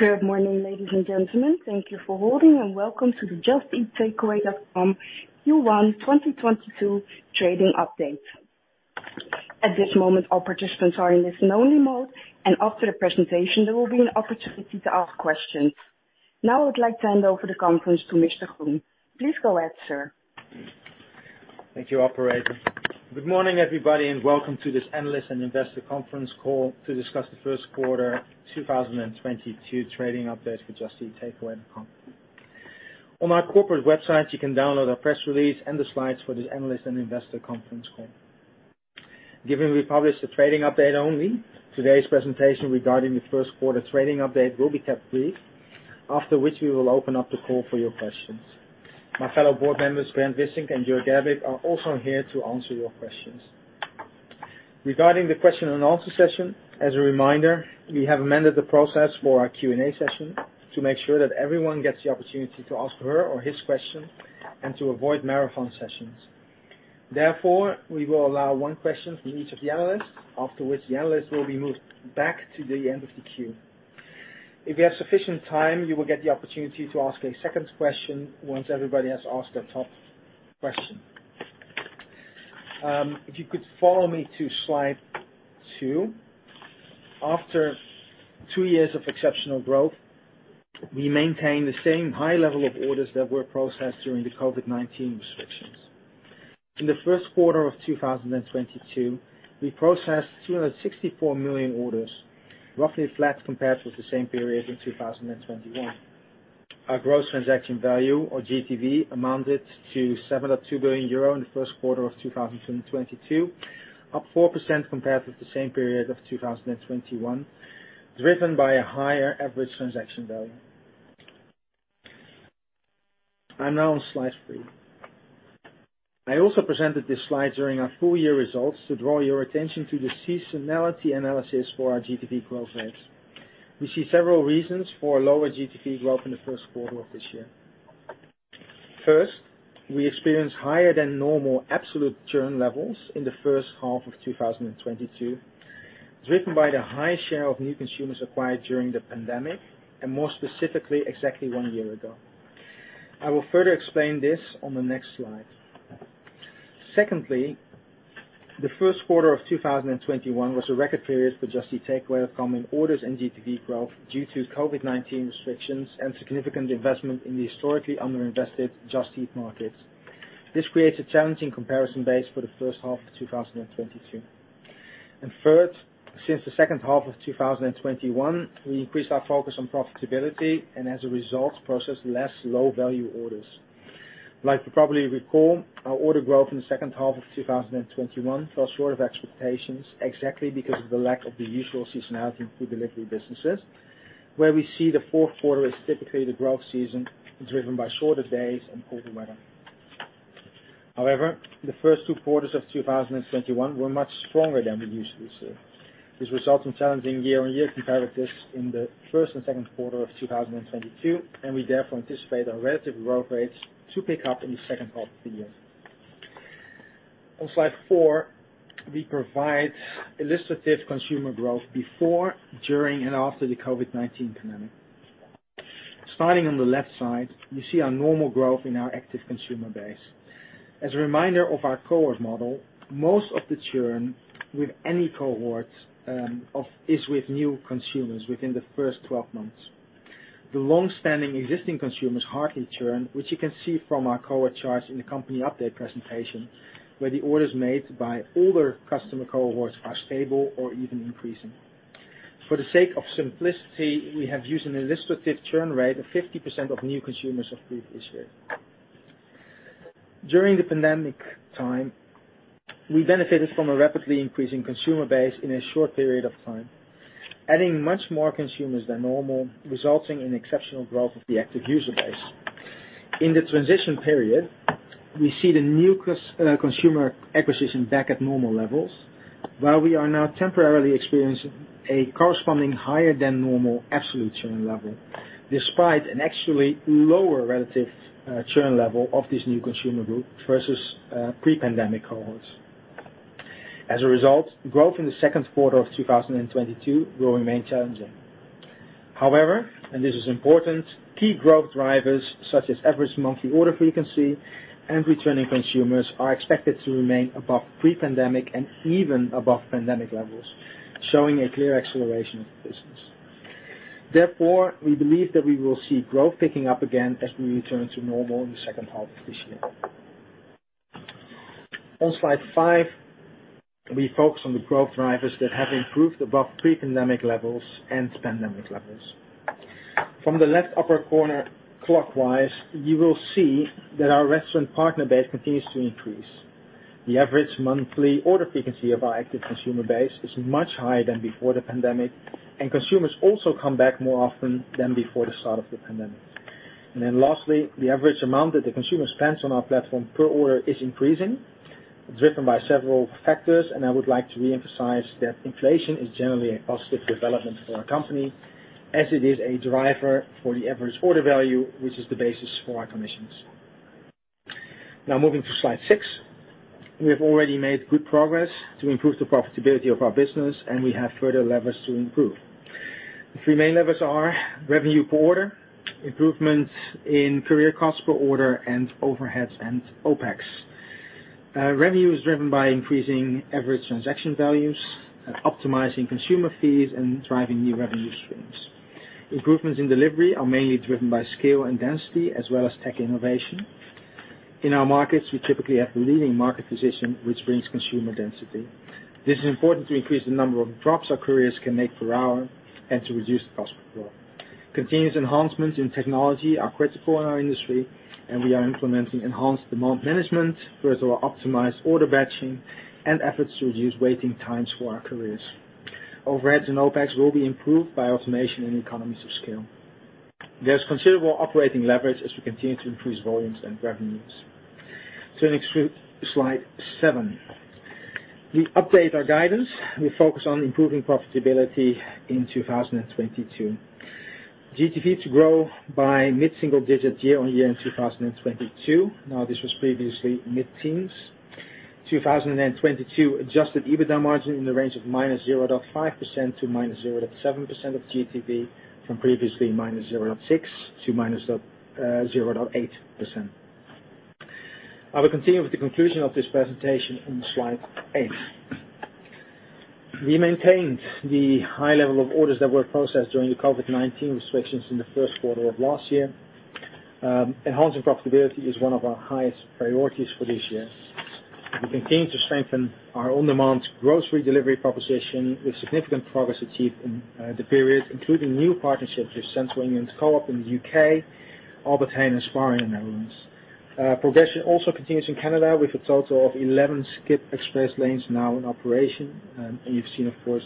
Good morning, ladies and gentlemen. Thank you for holding and welcome to the Just Eat Takeaway.com Q1 2022 trading update. At this moment, all participants are in listen-only mode and after the presentation there will be an opportunity to ask questions. Now I would like to hand over the conference to Mr. Groen. Please go ahead, sir. Thank you, operator. Good morning, everybody, and welcome to this analyst and investor conference call to discuss the first quarter 2022 trading update for Just Eat Takeaway.com. On our corporate website, you can download our press release and the slides for this analyst and investor conference call. Given we published the trading update only, today's presentation regarding the first quarter trading update will be kept brief, after which we will open up the call for your questions. My fellow board members, Brent Wissink and Jörg Gerbig, are also here to answer your questions. Regarding the question and answer session, as a reminder, we have amended the process for our Q&A session to make sure that everyone gets the opportunity to ask her or his question and to avoid marathon sessions. Therefore, we will allow one question from each of the analysts, after which the analyst will be moved back to the end of the queue. If you have sufficient time, you will get the opportunity to ask a second question once everybody has asked their top question. If you could follow me to slide two. After two years of exceptional growth, we maintain the same high level of orders that were processed during the COVID-19 restrictions. In the first quarter of 2022, we processed 264 million orders, roughly flat compared with the same period in 2021. Our Gross Transaction Value or GTV amounted to 7.2 billion euro in the first quarter of 2022, up 4% compared with the same period of 2021, driven by a higher average transaction value. I'm now on slide three. I also presented this slide during our full year results to draw your attention to the seasonality analysis for our GTV growth rates. We see several reasons for lower GTV growth in the first quarter of this year. First, we experienced higher than normal absolute churn levels in the first half of 2022, driven by the high share of new consumers acquired during the pandemic and more specifically, exactly one year ago. I will further explain this on the next slide. Secondly, the first quarter of 2021 was a record period for Just Eat Takeaway.com in orders and GTV growth due to COVID-19 restrictions and significant investment in the historically underinvested Just Eat markets. This creates a challenging comparison base for the first half of 2022. Third, since the second half of 2021, we increased our focus on profitability and as a result, processed less low value orders. Like you probably recall, our order growth in the second half of 2021 fell short of expectations exactly because of the lack of the usual seasonality in food delivery businesses, where we see the fourth quarter is typically the growth season driven by shorter days and colder weather. However, the first two quarters of 2021 were much stronger than we usually see. This results in challenging year-on-year comparatives in the first and second quarter of 2022, and we therefore anticipate our relative growth rates to pick up in the second half of the year. On slide four, we provide illustrative consumer growth before, during and after the COVID-19 pandemic. Starting on the left side, you see our normal growth in our active consumer base. As a reminder of our cohort model, most of the churn with any cohorts is with new consumers within the first 12 months. The long standing existing consumers hardly churn, which you can see from our cohort charts in the company update presentation, where the orders made by older customer cohorts are stable or even increasing. For the sake of simplicity, we have used an illustrative churn rate of 50% of new consumers of previous years. During the pandemic time, we benefited from a rapidly increasing consumer base in a short period of time, adding many more consumers than normal, resulting in exceptional growth of the active user base. In the transition period, we see the new consumer acquisition back at normal levels, while we are now temporarily experiencing a corresponding higher than normal absolute churn level, despite an actually lower relative churn level of this new consumer group versus pre-pandemic cohorts. As a result, growth in the second quarter of 2022 will remain challenging. However, and this is important, key growth drivers such as average monthly order frequency and returning consumers are expected to remain above pre-pandemic and even above pandemic levels, showing a clear acceleration of the business. Therefore, we believe that we will see growth picking up again as we return to normal in the second half of this year. On slide five, we focus on the growth drivers that have improved above pre-pandemic levels and pandemic levels. From the left upper corner clockwise, you will see that our restaurant partner base continues to increase. The average monthly order frequency of our active consumer base is much higher than before the pandemic, and consumers also come back more often than before the start of the pandemic. Lastly, the average amount that the consumer spends on our platform per order is increasing, driven by several factors. I would like to reemphasize that inflation is generally a positive development for our company as it is a driver for the average order value, which is the basis for our commissions. Now moving to slide six. We have already made good progress to improve the profitability of our business, and we have further levers to improve. The three main levers are revenue per order, improvements in courier cost per order, and overheads and OpEx. Revenue is driven by increasing average transaction values and optimizing consumer fees and driving new revenue streams. Improvements in delivery are mainly driven by scale and density as well as tech innovation. In our markets, we typically have the leading market position, which brings consumer density. This is important to increase the number of drops our couriers can make per hour and to reduce cost per drop. Continuous enhancements in technology are critical in our industry, and we are implementing enhanced demand management, further optimized order batching and efforts to reduce waiting times for our couriers. Overheads and OpEx will be improved by automation and economies of scale. There's considerable operating leverage as we continue to increase volumes and revenues. Next, slide seven. We update our guidance. We focus on improving profitability in 2022. GTV to grow by mid-single digit year-on-year in 2022. Now, this was previously mid-teens. 2022 adjusted EBITDA margin in the range of -0.5% to -0.7% of GTV from previously -0.6% to -0.8%. I will continue with the conclusion of this presentation on slide eight. We maintained the high level of orders that were processed during the COVID-19 restrictions in the first quarter of last year. Enhancing profitability is one of our highest priorities for this year. We continue to strengthen our on-demand grocery delivery proposition with significant progress achieved in the period, including new partnerships with Central England Co-operative in the U.K., Albert Heijn in the Netherlands. Progression also continues in Canada with a total of 11 Skip Express Lanes now in operation. You've seen, of course,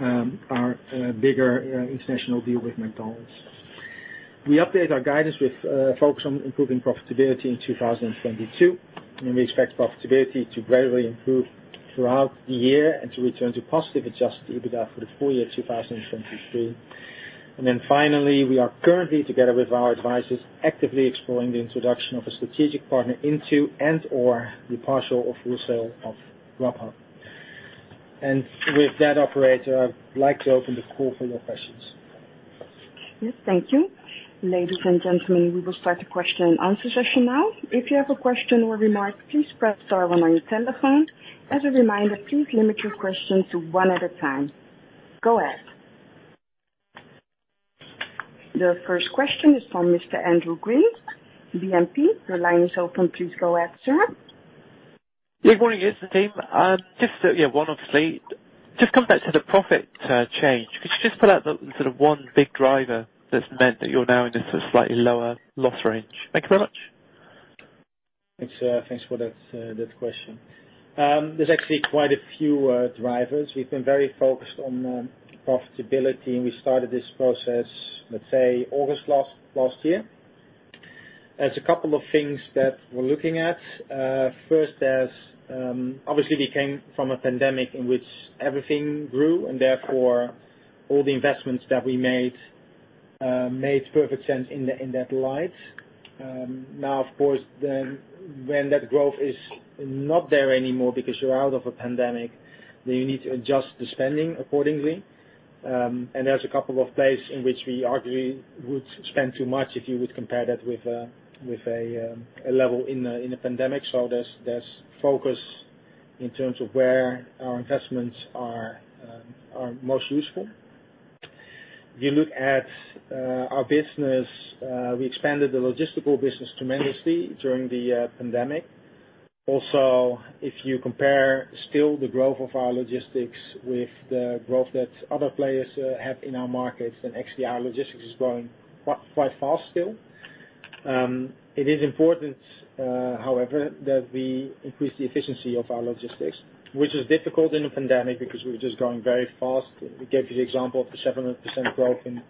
our bigger international deal with McDonald's. We update our guidance with focus on improving profitability in 2022, and we expect profitability to gradually improve throughout the year and to return to positive adjusted EBITDA for the full year 2023. Finally, we are currently, together with our advisors, actively exploring the introduction of a strategic partner into and/or the partial or full sale of Grubhub. With that operator, I'd like to open the call for your questions. Yes, thank you. Ladies and gentlemen, we will start the question and answer session now. If you have a question or remark, please press star one on your telephone. As a reminder, please limit your questions to one at a time. Go ahead. The first question is from Mr. Andrew Ross, BNP. Your line is open. Please go ahead, sir. Good morning, Jitse and team. Just one, obviously. Just come back to the profit change. Could you just pull out the sort of one big driver that's meant that you're now in a sort of slightly lower loss range? Thank you very much. Thanks for that question. There's actually quite a few drivers. We've been very focused on profitability, and we started this process, let's say August last year. There's a couple of things that we're looking at. First, there's obviously we came from a pandemic in which everything grew, and therefore all the investments that we made made perfect sense in that light. Now, of course, then when that growth is not there anymore because you're out of a pandemic, then you need to adjust the spending accordingly. There's a couple of places in which we arguably would spend too much if you would compare that with a level in a pandemic. There's focus in terms of where our investments are most useful. If you look at our business, we expanded the logistical business tremendously during the pandemic. Also, if you compare still the growth of our logistics with the growth that other players have in our markets, then actually our logistics is growing quite fast still. It is important, however, that we increase the efficiency of our logistics, which is difficult in a pandemic because we're just growing very fast. We gave you the example of the 700% growth in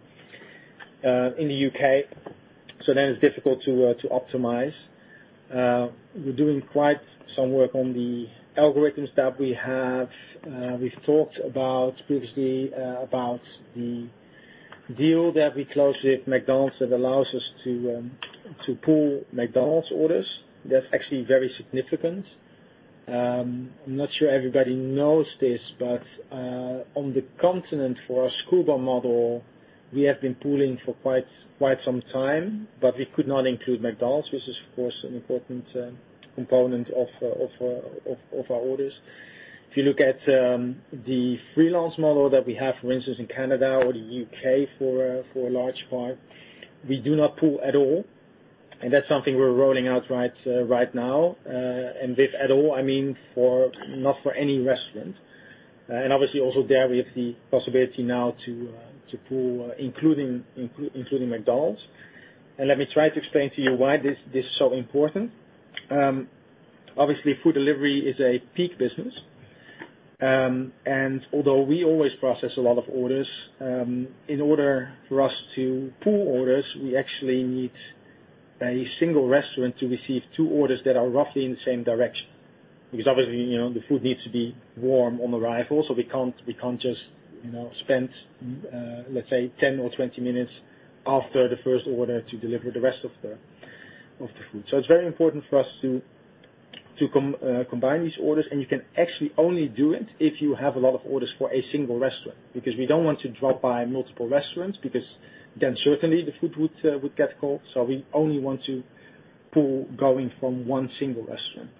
the U.K., so then it's difficult to optimize. We're doing quite some work on the algorithms that we have. We've talked about previously about the deal that we closed with McDonald's that allows us to pool McDonald's orders. That's actually very significant. I'm not sure everybody knows this, but on the continent for our Scoober model, we have been pooling for quite some time, but we could not include McDonald's, which is of course an important component of our orders. If you look at the freelance model that we have, for instance, in Canada or the U.K. for a large part, we do not pool at all, and that's something we're rolling out right now, and what I mean at all is not for any restaurant. Obviously also there we have the possibility now to pool including McDonald's. Let me try to explain to you why this is so important. Obviously food delivery is a peak business. Although we always process a lot of orders, in order for us to pool orders, we actually need a single restaurant to receive two orders that are roughly in the same direction. Because obviously, you know, the food needs to be warm on arrival, so we can't just, you know, spend 10 or 20 minutes after the first order to deliver the rest of the food. So it's very important for us to combine these orders, and you can actually only do it if you have a lot of orders for a single restaurant, because we don't want to drop by multiple restaurants because then certainly the food would get cold. So we only want to pool going from one single restaurant.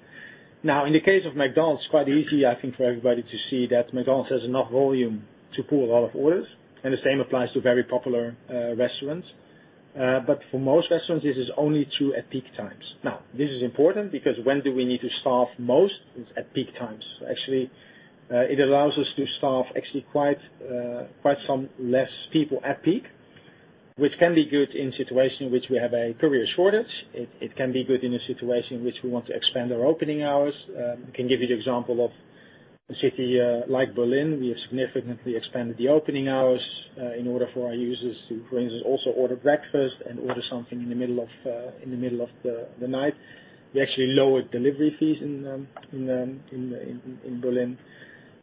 Now, in the case of McDonald's, quite easy, I think, for everybody to see that McDonald's has enough volume to pool a lot of orders, and the same applies to very popular restaurants. For most restaurants, this is only true at peak times. This is important because when do we need to staff most is at peak times. Actually, it allows us to staff actually quite some less people at peak, which can be good in a situation in which we have a courier shortage. It can be good in a situation in which we want to expand our opening hours. We can give you the example of a city like Berlin. We have significantly expanded the opening hours in order for our users to, for instance, also order breakfast and order something in the middle of the night. We actually lowered delivery fees in Berlin.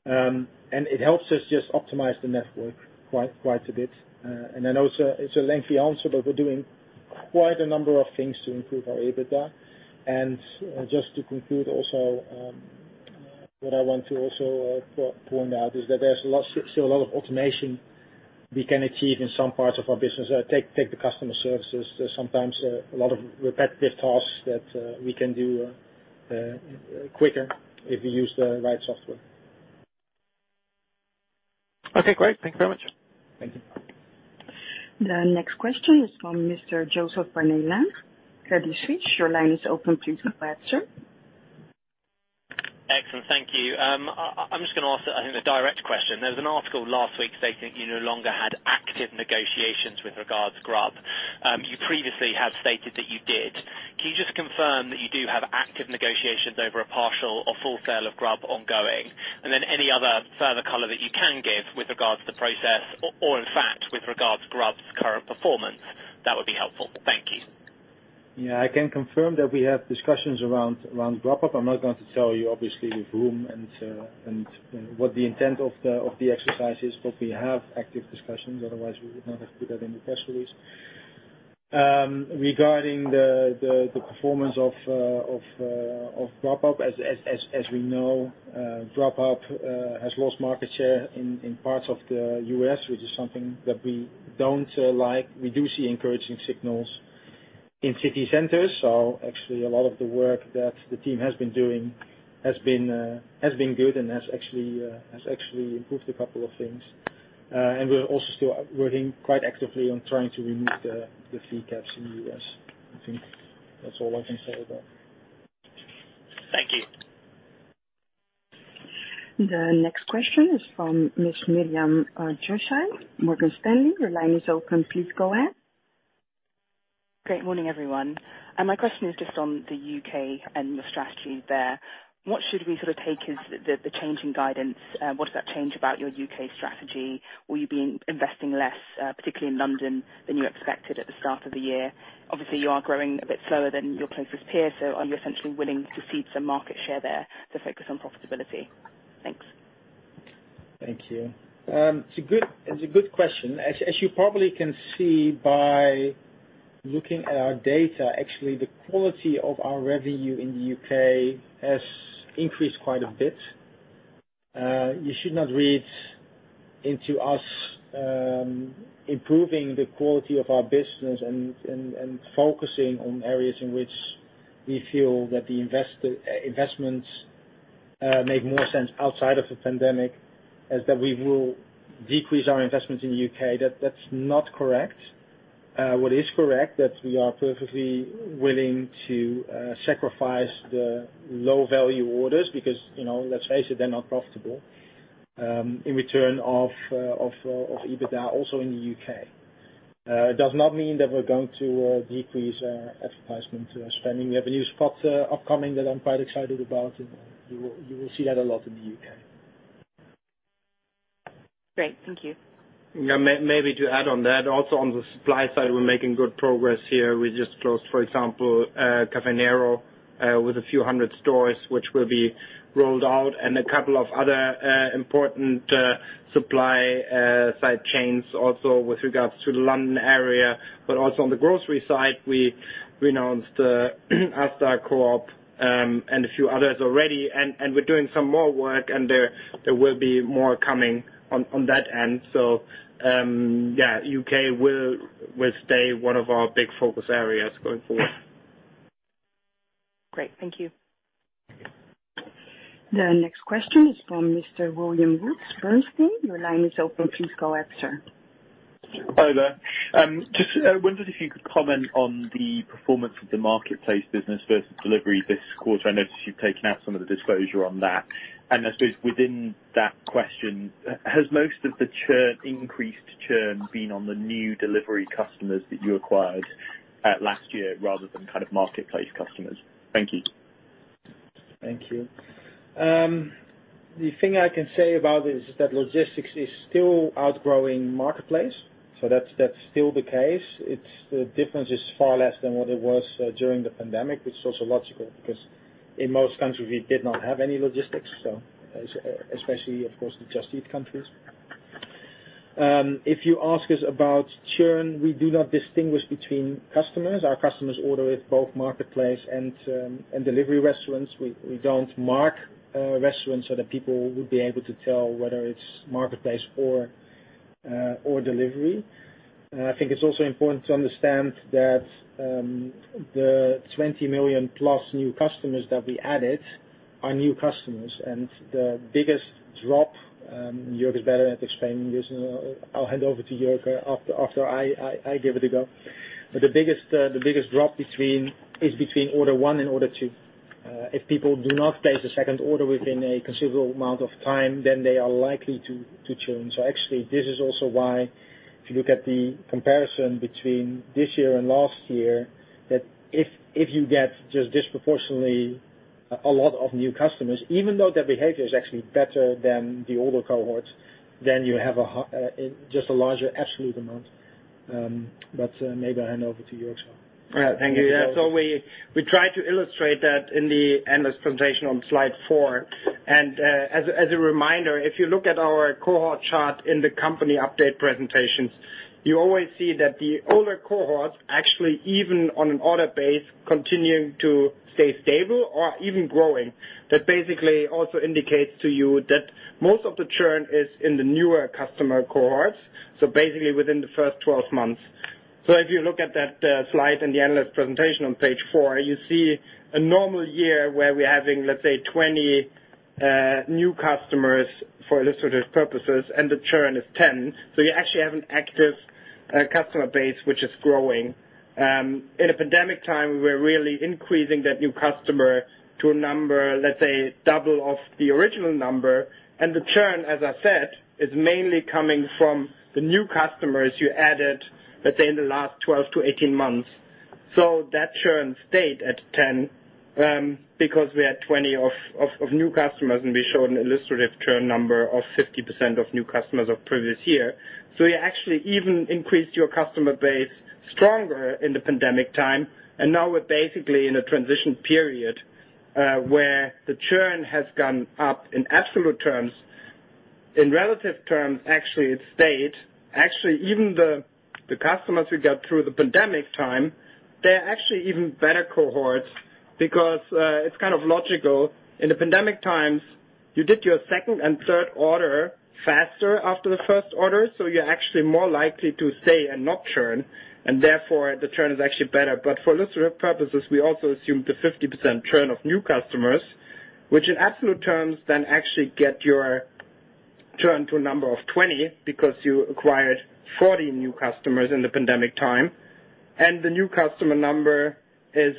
It helps us just optimize the network quite a bit. It's a lengthy answer, but we're doing quite a number of things to improve our EBITDA. Just to conclude also, what I want to also point out is that there's still a lot of automation we can achieve in some parts of our business. Take the customer services. Sometimes a lot of repetitive tasks that we can do quicker if you use the right software. Okay, great. Thank you very much. Thank you. The next question is from Mr. Joe Barnet, Credit Suisse. Your line is open. Please go ahead, sir. Excellent. Thank you. I'm just going to ask, I think, a direct question. There was an article last week stating you no longer had active negotiations with regards Grubhub. You previously had stated that you did. Can you just confirm that you do have active negotiations over a partial or full sale of Grubhub ongoing? Any other further color that you can give with regards to process or, in fact, with regards to Grubhub's current performance, that would be helpful. Thank you. Yeah. I can confirm that we have discussions around Grubhub. I'm not going to tell you, obviously, with whom and what the intent of the exercise is, but we have active discussions. Otherwise, we would not have put that in the press release. Regarding the performance of Grubhub, as we know, Grubhub has lost market share in parts of the U.S., which is something that we don't like. We do see encouraging signals in city centers. Actually, a lot of the work that the team has been doing has been good and has actually improved a couple of things. We're also still working quite actively on trying to remove the fee caps in the U.S.. I think that's all I can say about it. Thank you. The next question is from Miss Miriam Josiah, Morgan Stanley. Your line is open. Please go ahead. Good morning, everyone. My question is just on the U.K. and your strategy there. What should we sort of take as the change in guidance? What does that change about your U.K. strategy? Will you be investing less, particularly in London than you expected at the start of the year? Obviously, you are growing a bit slower than your closest peer, so are you essentially willing to cede some market share there to focus on profitability? Thanks. Thank you. It's a good question. As you probably can see by looking at our data, actually, the quality of our revenue in the U.K. has increased quite a bit. You should not read into us improving the quality of our business and focusing on areas in which we feel that the investments make more sense outside of the pandemic, as that we will decrease our investments in the U.K. That's not correct. What is correct, that we are perfectly willing to sacrifice the low-value orders because, you know, let's face it, they're not profitable in return of EBITDA also in the U.K. It does not mean that we're going to decrease advertisement spending. We have a new spot upcoming that I'm quite excited about. You will see that a lot in the U.K.. Great. Thank you. Maybe to add on that, also on the supply side, we're making good progress here. We just closed, for example, Caffè Nero with a few hundred stores, which will be rolled out, and a couple of other important supply-side chains also with regards to the London area. Also on the grocery side, we announced Asda, Co-op, and a few others already. We're doing some more work and there will be more coming on that end. U.K. will stay one of our big focus areas going forward. Great. Thank you. The next question is from Mr. William Woods, Bernstein. Your line is open. Please go ahead, sir. Hi there. Just wondered if you could comment on the performance of the marketplace business versus delivery this quarter. I noticed you've taken out some of the disclosure on that. I suppose within that question, has most of the increased churn been on the new delivery customers that you acquired last year rather than kind of marketplace customers? Thank you. Thank you. The thing I can say about it is that logistics is still outgrowing marketplace, so that's still the case. It's the difference is far less than what it was during the pandemic. It's also logical because in most countries, we did not have any logistics, so especially, of course, the Just Eat countries. If you ask us about churn, we do not distinguish between customers. Our customers order with both marketplace and delivery restaurants. We don't mark restaurants so that people would be able to tell whether it's marketplace or delivery. I think it's also important to understand that the 20+ million new customers that we added are new customers, and the biggest drop, Jörg is better at explaining this. I'll hand over to Jörg after I give it a go. The biggest drop is between order one and order two. If people do not place a second order within a considerable amount of time, then they are likely to churn. Actually, this is also why if you look at the comparison between this year and last year, that if you get just disproportionately a lot of new customers, even though their behavior is actually better than the older cohorts, then you have just a larger absolute amount. Maybe I hand over to Jörg as well. All right. Thank you. We try to illustrate that in the analyst presentation on slide four. As a reminder, if you look at our cohort chart in the company update presentations, you always see that the older cohorts, actually even on an order base, continuing to stay stable or even growing. That basically also indicates to you that most of the churn is in the newer customer cohorts, so basically within the first 12 months. If you look at that slide in the analyst presentation on page four, you see a normal year where we're having, let's say, 20 new customers for illustrative purposes, and the churn is 10. You actually have an active customer base, which is growing. In a pandemic time, we're really increasing that new customer to a number, let's say double of the original number. The churn, as I said, is mainly coming from the new customers you added, let's say in the last 12-18 months. That churn stayed at 10%, because we had 20% of new customers, and we showed an illustrative churn number of 50% of new customers of previous year. You actually even increased your customer base stronger in the pandemic time, and now we're basically in a transition period, where the churn has gone up in absolute terms. In relative terms, actually it stayed. Actually, even the customers who got through the pandemic time, they're actually even better cohorts because, it's kind of logical. In the pandemic times, you did your second and third order faster after the first order, so you're actually more likely to stay and not churn, and therefore the churn is actually better. For illustrative purposes, we also assumed a 50% churn of new customers, which in absolute terms then actually get your churn to a number of 20 because you acquired 40 new customers in the pandemic time. The new customer number is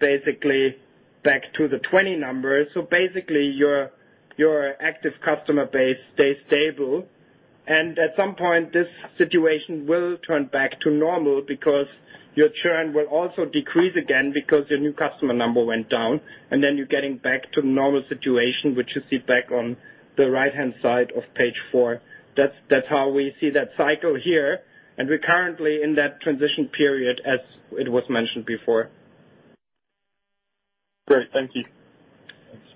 basically back to the 20 number. Basically your active customer base stays stable. At some point, this situation will turn back to normal because your churn will also decrease again because your new customer number went down, and then you're getting back to normal situation, which you see back on the right-hand side of page four. That's how we see that cycle here. We're currently in that transition period, as it was mentioned before. Great. Thank you. Thanks.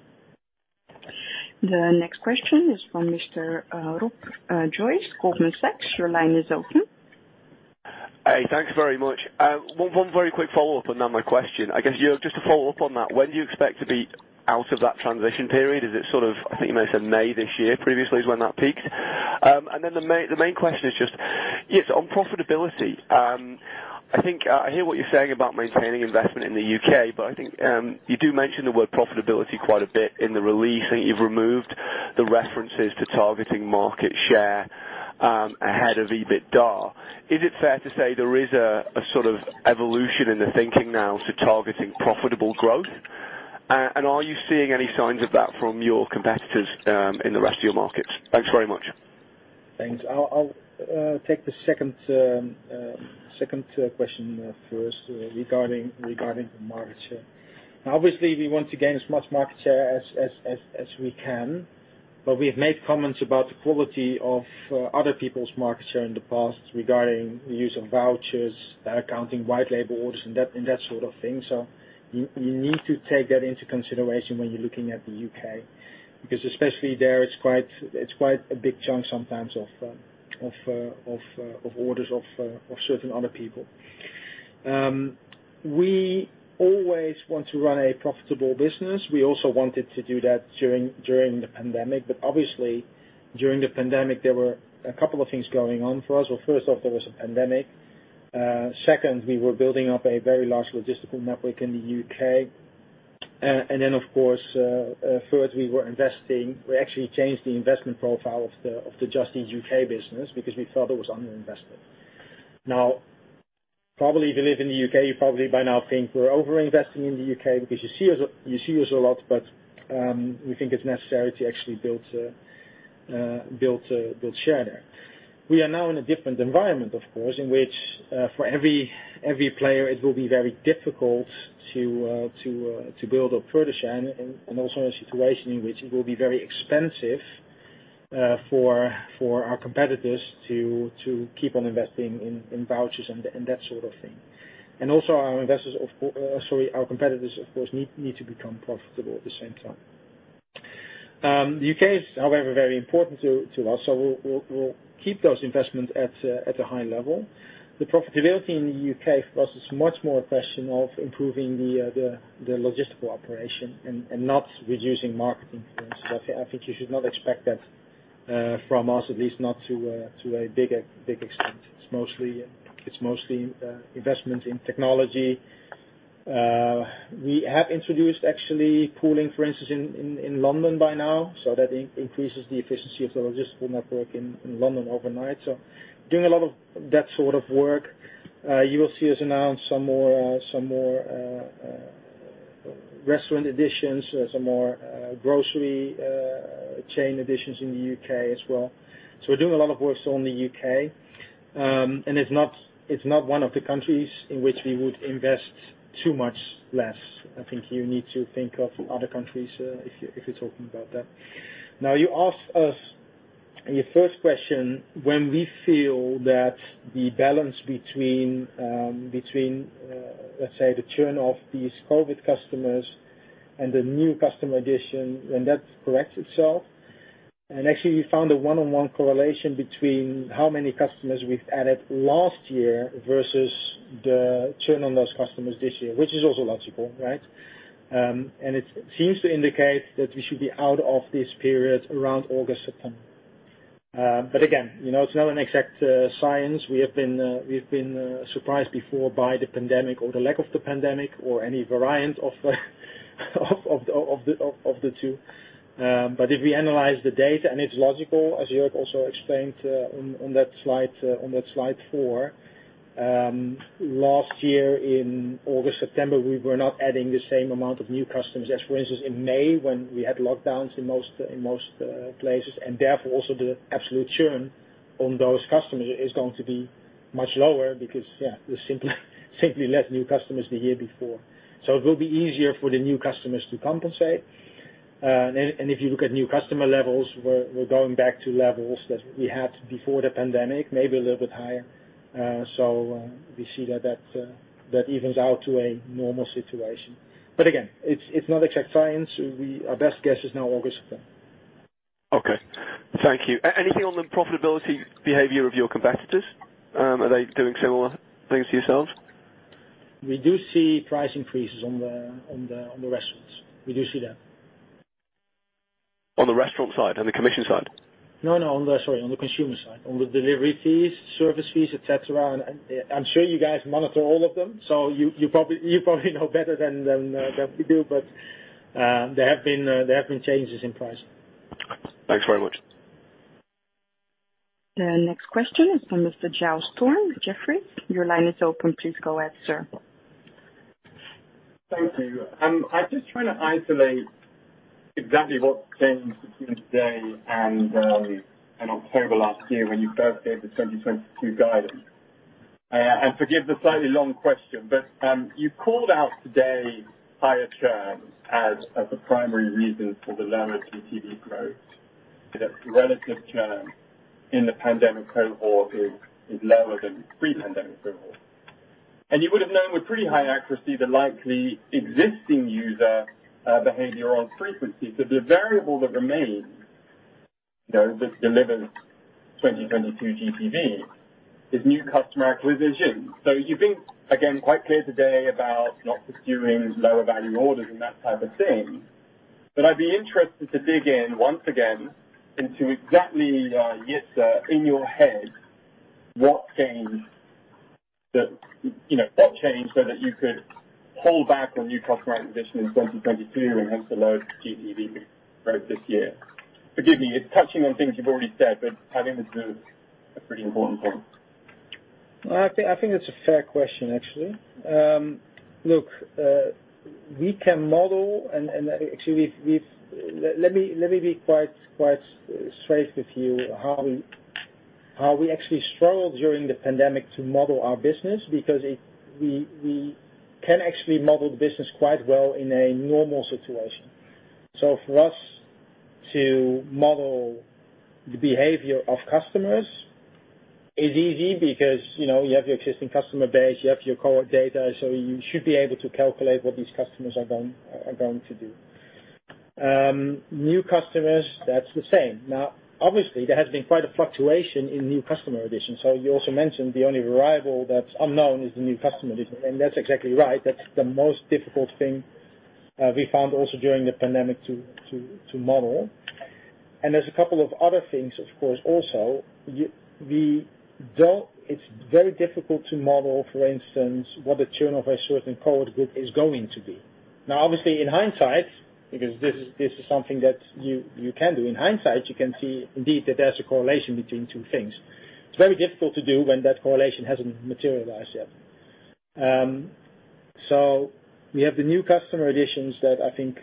The next question is from Mr. Rob Joyce, Goldman Sachs. Your line is open. Hey, thanks very much. One very quick follow-up and then my question. I guess, Jörg, just to follow up on that, when do you expect to be out of that transition period? Is it sort of, I think you may have said May this year previously is when that peaked. And then the main question is just, it's on profitability. I think, I hear what you're saying about maintaining investment in the U.K., but I think, you do mention the word profitability quite a bit in the release, and you've removed the references to targeting market share, ahead of EBITDA. Is it fair to say there is a sort of evolution in the thinking now to targeting profitable growth? And are you seeing any signs of that from your competitors, in the rest of your markets? Thanks very much. Thanks. I'll take the second question first regarding the market share. Obviously, we want to gain as much market share as we can, but we've made comments about the quality of other people's market share in the past regarding the use of vouchers, accounting, white label orders, and that sort of thing. You need to take that into consideration when you're looking at the U.K. because especially there, it's quite a big chunk sometimes of orders of certain other people. We always want to run a profitable business. We also wanted to do that during the pandemic, but obviously, during the pandemic, there were a couple of things going on for us. Well, first off, there was a pandemic. Second, we were building up a very large logistical network in the U.K. Of course, third, we were investing. We actually changed the investment profile of the Just Eat U.K. business because we felt it was under-invested. Now, probably if you live in the U.K., you probably by now think we're over-investing in the U.K. because you see us a lot, but we think it's necessary to actually build share there. We are now in a different environment, of course, in which for every player, it will be very difficult to build up further share and also in a situation in which it will be very expensive for our competitors to keep on investing in vouchers and that sort of thing. Our competitors, of course must need to become profitable at the same time. The U.K. is, however, very important to us, so we'll keep those investments at a high level. The profitability in the U.K. for us is much more a question of improving the logistical operation and not reducing marketing influence. I think you should not expect that from us, at least not to a big extent. It's mostly investment in technology. We have introduced actually pooling, for instance, in London by now, so that increases the efficiency of the logistical network in London overnight. Doing a lot of that sort of work. You will see us announce some more restaurant additions, some more grocery chain additions in the U.K. as well. We're doing a lot of work still in the U.K., and it's not one of the countries in which we would invest too much less. I think you need to think of other countries if you're talking about that. Now, you asked us in your first question when we feel that the balance between, let's say, the churn of these COVID customers and the new customer addition, when that corrects itself. Actually, we found a one-on-one correlation between how many customers we've added last year versus the churn on those customers this year, which is also logical, right? It seems to indicate that we should be out of this period around August, September. But again, you know, it's not an exact science. We've been surprised before by the pandemic or the lack of the pandemic or any variant of the two. But if we analyze the data and it's logical, as Jörg also explained on that slide four, last year in August, September, we were not adding the same amount of new customers as, for instance, in May when we had lockdowns in most places, and therefore, also the absolute churn on those customers is going to be much lower because, yeah, there's simply less new customers the year before. It will be easier for the new customers to compensate. If you look at new customer levels, we're going back to levels that we had before the pandemic, maybe a little bit higher. We see that evens out to a normal situation. Again, it's not exact science. Our best guess is now August, September. Okay. Thank you. Anything on the profitability behavior of your competitors? Are they doing similar things to yourselves? We do see price increases on the restaurants. We do see that. On the restaurant side, on the commission side? No, no. Sorry, on the consumer side, on the delivery fees, service fees, et cetera. I'm sure you guys monitor all of them, so you probably know better than we do. There have been changes in price. Thanks very much. The next question is from Mr. Giles Thorne with Jefferies. Your line is open. Please go ahead, sir. Thank you. I'm just trying to isolate exactly what's changed between today and October last year when you first gave the 2022 guidance. Forgive the slightly long question, but you called out today higher churn as the primary reason for the lower GTV growth. That relative churn in the pandemic cohort is lower than pre-pandemic cohort. You would have known with pretty high accuracy the likely existing user behavior on frequency. The variable that remains, you know, that delivers 2022 GTV is new customer acquisition. You've been, again, quite clear today about not pursuing lower value orders and that type of thing. I'd be interested to dig in once again into exactly, Jitse, in your head, what changed that, you know, what changed so that you could hold back on new customer acquisition in 2022 and hence the lower GTV growth this year? Forgive me, it's touching on things you've already said, but I think this is a pretty important point. I think that's a fair question, actually. Look, we can model, and actually we've. Let me be quite straight with you, how we actually struggled during the pandemic to model our business because we can actually model the business quite well in a normal situation. For us to model the behavior of customers is easy because, you know, you have your existing customer base, you have your cohort data, so you should be able to calculate what these customers are going to do. New customers, that's the same. Now, obviously, there has been quite a fluctuation in new customer acquisition. You also mentioned the only variable that's unknown is the new customer acquisition, and that's exactly right. That's the most difficult thing, we found also during the pandemic to model. There's a couple of other things, of course, also. It's very difficult to model, for instance, what the churn of a certain cohort group is going to be. Now, obviously in hindsight, because this is something that you can do, in hindsight, you can see indeed that there's a correlation between two things. It's very difficult to do when that correlation hasn't materialized yet. We have the new customer additions that I think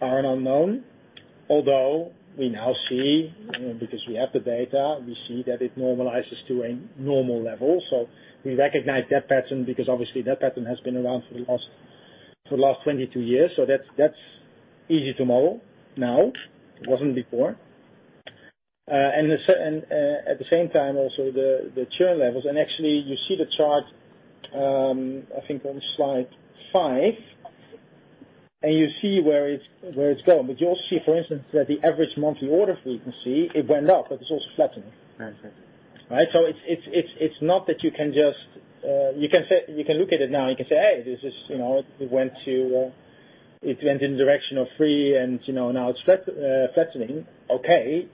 are an unknown, although we now see, you know, because we have the data, we see that it normalizes to a normal level. We recognize that pattern because obviously that pattern has been around for the last 22 years. That's easy to model now. It wasn't before. At the same time also, the churn levels. Actually, you see the chart, I think on slide five, and you see where it's going. You also see, for instance, that the average monthly order frequency, it went up, but it's also flattening. Understood. Right? It's not that you can just. You can look at it now and you can say, "Hey, this is, you know, it went in the direction of travel and, you know, now it's flattening." Okay,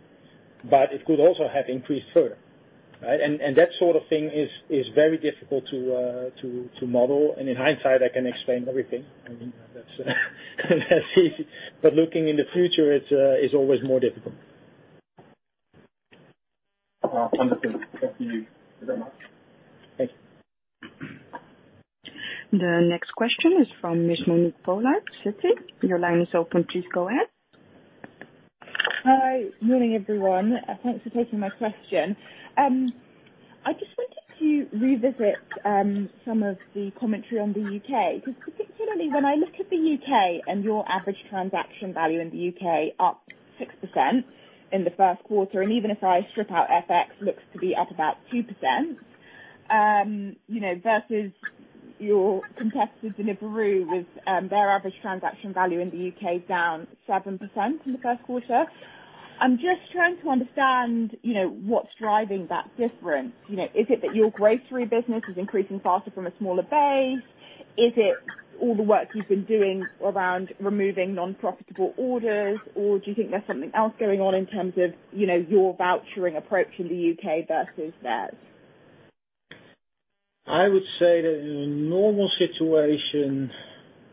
but it could also have increased further, right? That sort of thing is very difficult to model. In hindsight, I can explain everything. I mean, that's easy. Looking in the future, it is always more difficult. Well, thank you. Thank you very much. Thanks. The next question is from Miss Monique Pollard, Citi. Your line is open, please go ahead. Hi. Morning, everyone. Thanks for taking my question. I just wanted to revisit some of the commentary on the U.K., because particularly when I look at the U.K. and your average transaction value in the U.K. up 6% in the first quarter, and even if I strip out FX, looks to be up about 2%, you know, versus your competitors in Deliveroo with their average transaction value in the U.K. down 7% in the first quarter. I'm just trying to understand, you know, what's driving that difference. You know, is it that your grocery business is increasing faster from a smaller base? Is it all the work you've been doing around removing non-profitable orders? Or do you think there's something else going on in terms of, you know, your vouchering approach in the U.K. versus theirs? I would say that in a normal situation,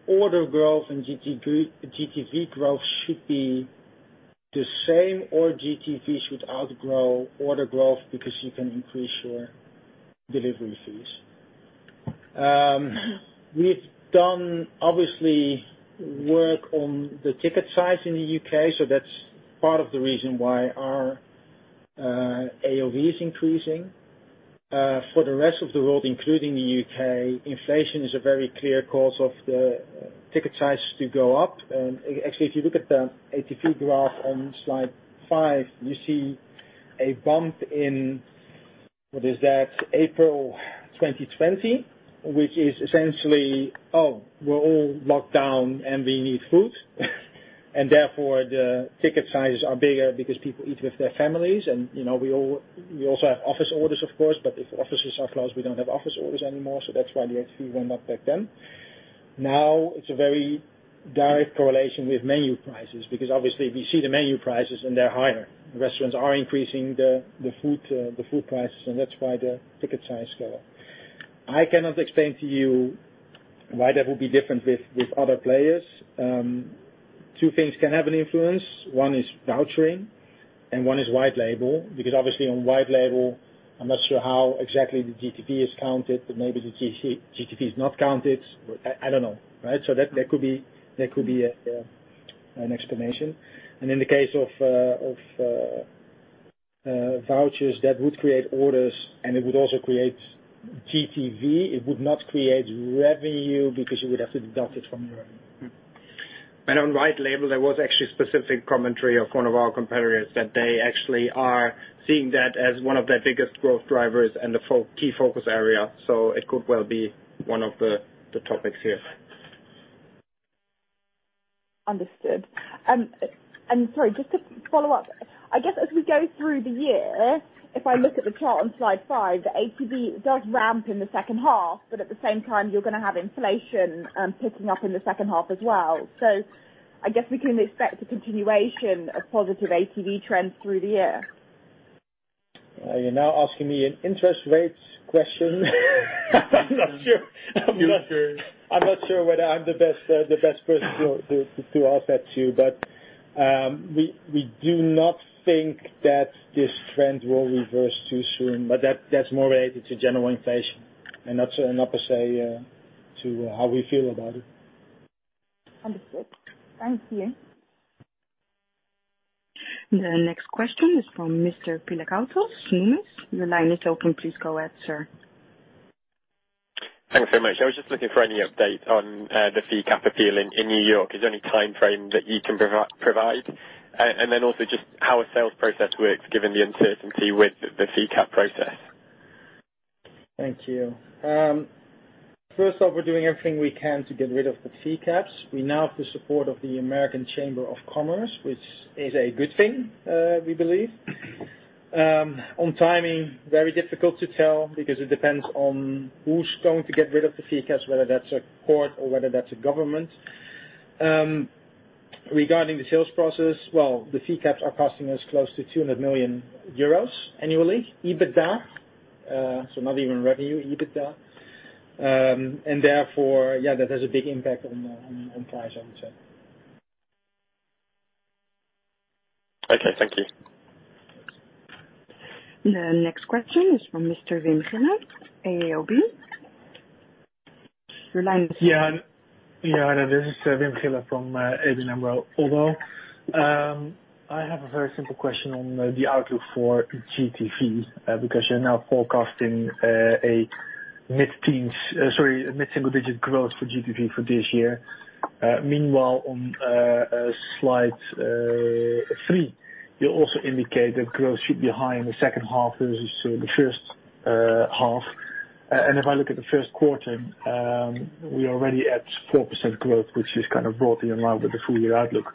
order growth and GTV growth should be the same, or GTV should outgrow order growth because you can increase your delivery fees. We've obviously done work on the ticket size in the U.K., so that's part of the reason why our AOV is increasing. For the rest of the world, including the U.K., inflation is a very clear cause of the ticket sizes to go up. Actually, if you look at the ATV graph on slide five, you see a bump in April 2020, which is essentially, oh, we're all locked down, and we need food. Therefore, the ticket sizes are bigger because people eat with their families. We also have office orders, of course, but if offices are closed, we don't have office orders anymore. That's why the ATV went up back then. Now it's a very direct correlation with menu prices, because obviously we see the menu prices and they're higher. Restaurants are increasing the food prices, and that's why the ticket size go up. I cannot explain to you why that would be different with other players. Two things can have an influence. One is vouchering and one is white label, because obviously on white label, I'm not sure how exactly the GTV is counted, but maybe the GTV is not counted. I don't know. Right? That could be an explanation. In the case of vouchers, that would create orders and it would also create GTV. It would not create revenue because you would have to deduct it from your revenue. On white label, there was actually specific commentary of one of our competitors that they actually are seeing that as one of their biggest growth drivers and the key focus area. It could well be one of the topics here. Understood. Sorry, just to follow up. I guess as we go through the year, if I look at the chart on slide five, the ATV does ramp in the second half, but at the same time you're gonna have inflation picking up in the second half as well. I guess we can expect a continuation of positive ATV trends through the year. You're now asking me an interest rates question. I'm not sure. I'm not sure whether I'm the best person to ask that to. We do not think that this trend will reverse too soon, but that's more related to general inflation and not per se to how we feel about it. Understood. Thank you. The next question is from Mr. Piotr Szulc, Bloomberg. Your line is open. Please go ahead, sir. Thanks very much. I was just looking for any update on the fee cap appeal in New York. Is there any timeframe that you can provide? Also just how a sales process works given the uncertainty with the fee cap process. Thank you. First off, we're doing everything we can to get rid of the fee caps. We now have the support of the U.S. Chamber of Commerce, which is a good thing, we believe. On timing, very difficult to tell because it depends on who's going to get rid of the fee caps, whether that's a court or whether that's a government. Regarding the sales process, well, the fee caps are costing us close to 200 million euros annually, EBITDA, so not even revenue, EBITDA. Therefore, yeah, that has a big impact on price, I would say. Okay, thank you. The next question is from Mr. Wim Gille, ABN AMRO-ODDO BHF. Your line is open. This is Wim Gille from ABN AMRO. Although I have a very simple question on the outlook for GTV because you're now forecasting a mid-single digit growth for GTV for this year. Meanwhile, on slide three, you also indicate that growth should be high in the second half versus the first half. If I look at the first quarter, we're already at 4% growth, which is kind of roughly in line with the full year outlook.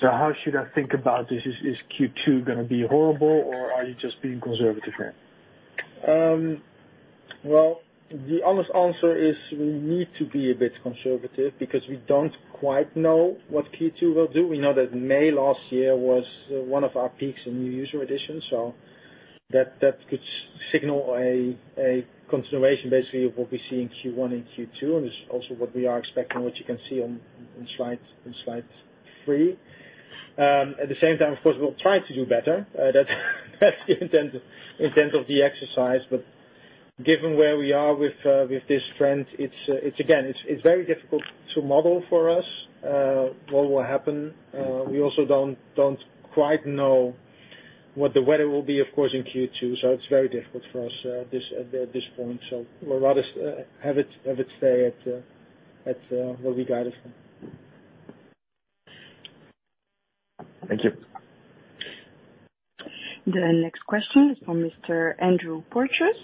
How should I think about this? Is Q2 gonna be horrible, or are you just being conservative here? Well, the honest answer is we need to be a bit conservative because we don't quite know what Q2 will do. We know that May last year was one of our peaks in new user additions, so that could signal a continuation basically of what we see in Q1 and Q2, and it's also what we are expecting, which you can see in slide three. At the same time, of course, we'll try to do better. That's the intent of the exercise. Given where we are with this trend, it's again very difficult to model for us what will happen. We also don't quite know what the weather will be, of course, in Q2, so it's very difficult for us at this point. We'll let us have it stay at where we got it from. Thank you. The next question is from Mr. Andrew Porteous,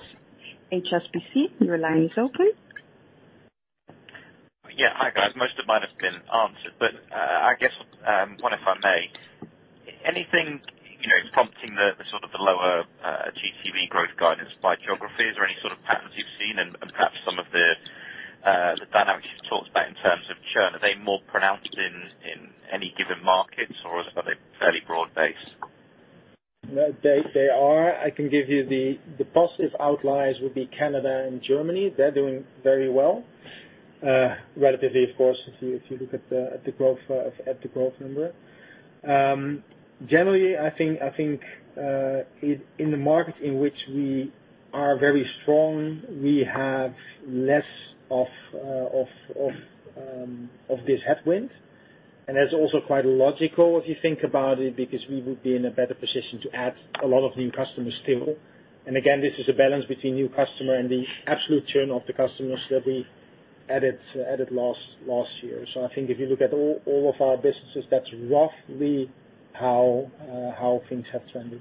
HSBC. Your line is open. Yeah. Hi, guys. Most of mine have been answered. I guess one if I may. Anything, you know, prompting the sort of lower GTV growth guidance by geography? Is there any sort of patterns you've seen and perhaps some of the dynamics you've talked about in terms of churn? Are they more pronounced in any given markets, or is that a fairly broad base? The positive outliers would be Canada and Germany. They're doing very well, relatively, of course, if you look at the growth number. Generally, I think in the markets in which we are very strong, we have less of this headwind. That's also quite logical if you think about it, because we would be in a better position to add a lot of new customers still. Again, this is a balance between new customer and the absolute churn of the customers that we added last year. I think if you look at all of our businesses, that's roughly how things have trended.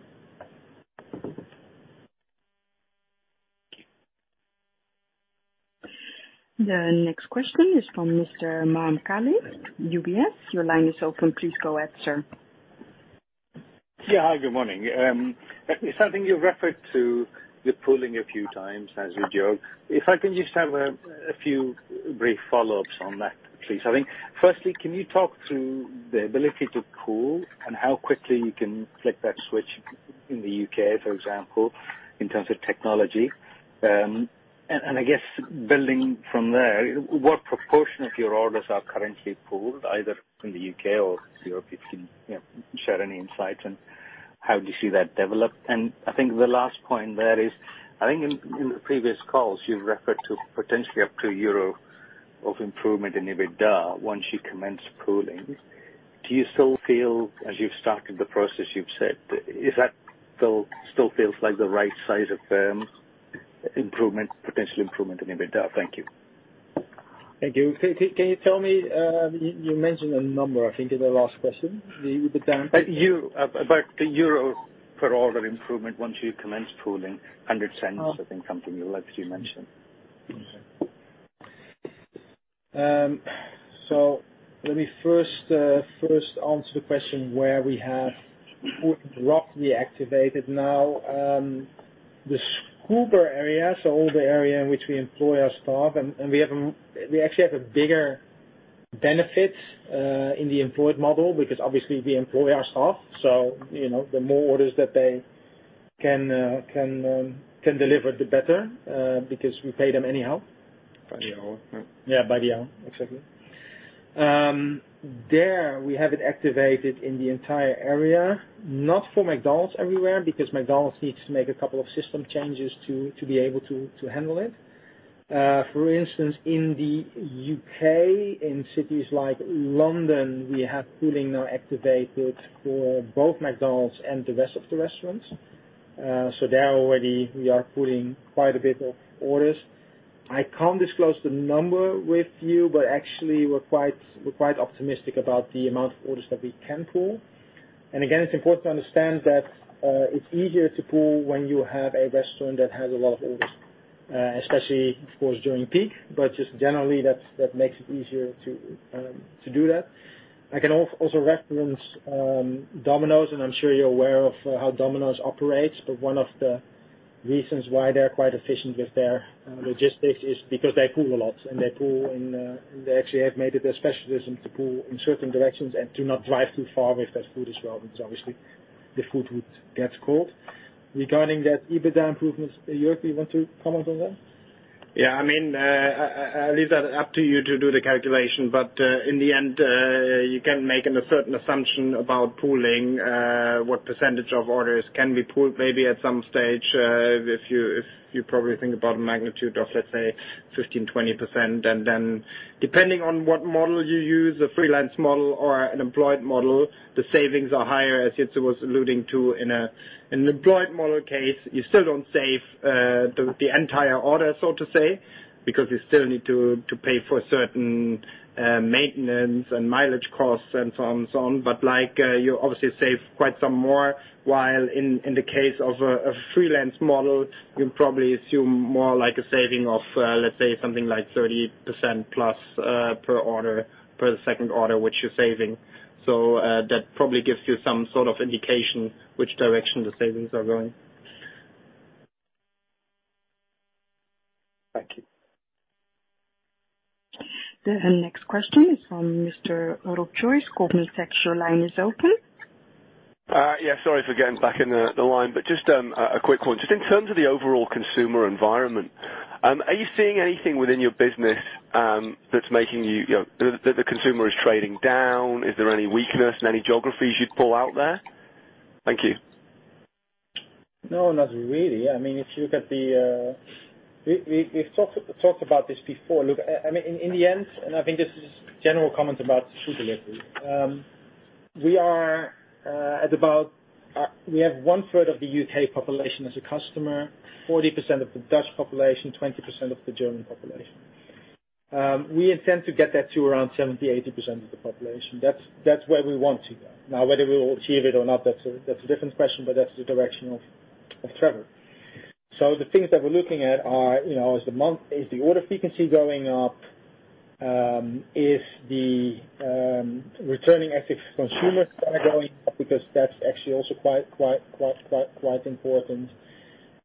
The next question is from Mr. Saim Khalid, UBS. Your line is open. Please go ahead, sir. Yeah. Hi, good morning. Something you referred to, the pooling, a few times as you go. If I can just have a few brief follow-ups on that, please. I think firstly, can you talk to the ability to pool and how quickly you can flick that switch in the U.K., for example, in terms of technology? I guess building from there, what proportion of your orders are currently pooled, either in the U.K. or Europe, if you know, share any insights on how you see that develop? I think the last point there is, I think in the previous calls, you've referred to potentially up to EUR 1 of improvement in EBITDA once you commence pooling. Do you still feel as you've started the process, you've said, is that still feels like the right size of potential improvement in EBITDA? Thank you. Thank you. Can you tell me, you mentioned a number, I think, in the last question. The down- About the euro per order improvement once you commence pooling, 100 cents, I think something you actually mentioned. Let me first answer the question where we have pooling roughly activated now. The Scoober area, so all the area in which we employ our staff and we actually have a bigger benefit in the employed model because obviously we employ our staff. You know, the more orders that they can deliver, the better because we pay them anyhow. By the hour, right? Yeah, by the hour. Exactly. There, we have it activated in the entire area. Not for McDonald's everywhere, because McDonald's needs to make a couple of system changes to be able to handle it. For instance, in the U.K., in cities like London, we have pooling now activated for both McDonald's and the rest of the restaurants. There already we are pooling quite a bit of orders. I can't disclose the number with you, but actually we're quite optimistic about the amount of orders that we can pool. Again, it's important to understand that it's easier to pool when you have a restaurant that has a lot of orders, especially of course during peak. Just generally, that makes it easier to do that. I can also reference Domino's, and I'm sure you're aware of how Domino's operates. One of the reasons why they're quite efficient with their logistics is because they pool a lot, and they pool in. They actually have made it their specialism to pool in certain directions and to not drive too far with that food as well, because obviously the food would get cold. Regarding that EBITDA improvements, Jörg, you want to comment on that? Yeah, I mean, I'll leave that up to you to do the calculation, but in the end you can make a certain assumption about pooling what percentage of orders can be pooled, maybe at some stage if you probably think about a magnitude of, let's say 15%, 20%. Then depending on what model you use, a freelance model or an employed model, the savings are higher, as Jitse was alluding to. In an employed model case, you still don't save the entire order, so to say, because you still need to pay for certain maintenance and mileage costs and so on. Like, you obviously save quite some more, while in the case of a freelance model, you probably assume more like a saving of, let's say something like 30% plus per order, per second order, which you're saving. That probably gives you some sort of indication which direction the savings are going. Thank you. The next question is from Mr. Rob Joyce, Goldman Sachs. Your line is open. Yeah, sorry for getting back in the line, but just a quick one. Just in terms of the overall consumer environment, are you seeing anything within your business that's making you know, the consumer is trading down? Is there any weakness in any geographies you'd pull out there? Thank you. No, not really. I mean, if you look at the. We've talked about this before. Look, I mean, in the end, I think this is general comment about food delivery. We are at about we have one-third of the U.K. population as a customer, 40% of the Dutch population, 20% of the German population. We intend to get that to around 70%-80% of the population. That's where we want to go. Now, whether we will achieve it or not, that's a different question, but that's the direction of travel. The things that we're looking at are, you know, is the order frequency going up? Is the returning active consumers going up? Because that's actually also quite important.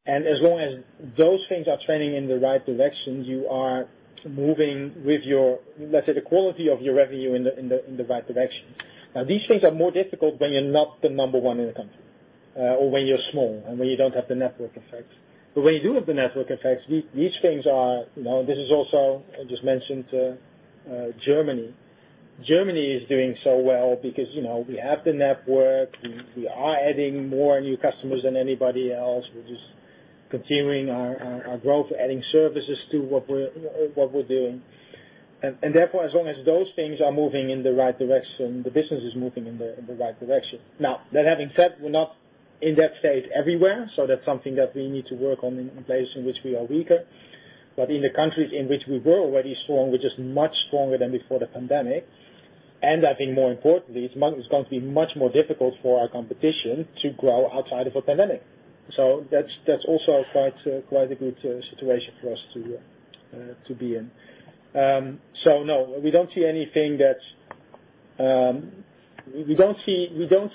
As long as those things are trending in the right direction, you are moving with your, let's say, the quality of your revenue in the right direction. Now, these things are more difficult when you're not the number one in the country, or when you're small and when you don't have the network effects. When you do have the network effects, these things are, you know, this is also, I just mentioned Germany. Germany is doing so well because, you know, we have the network. We are adding more new customers than anybody else. We're just continuing our growth, adding services to what we're doing. Therefore, as long as those things are moving in the right direction, the business is moving in the right direction. Now, that having said, we're not in that state everywhere, so that's something that we need to work on in places in which we are weaker. In the countries in which we were already strong, we're just much stronger than before the pandemic, and I think more importantly, it's going to be much more difficult for our competition to grow outside of a pandemic. That's also quite a good situation for us to be in. No, we don't see anything that we don't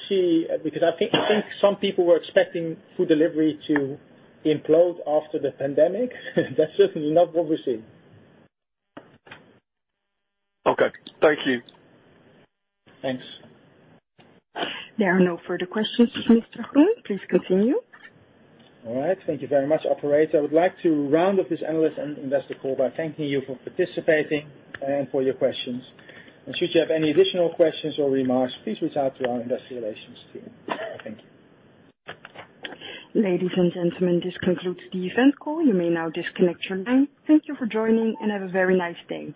see. Because I think some people were expecting food delivery to implode after the pandemic. That's certainly not what we're seeing. Okay. Thank you. Thanks. There are no further questions, Mr. Groen. Please continue. All right. Thank you very much, operator. I would like to round up this analyst and investor call by thanking you for participating and for your questions. Should you have any additional questions or remarks, please reach out to our investor relations team. Thank you. Ladies and gentlemen, this concludes the event call. You may now disconnect your line. Thank you for joining, and have a very nice day.